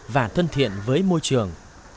và thân thiện với môi trường